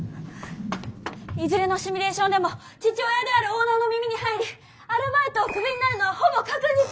「いずれのシミュレーションでも父親であるオーナーの耳に入りアルバイトをクビになるのはほぼ確実」。